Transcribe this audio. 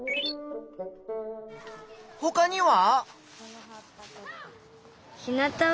ほかには？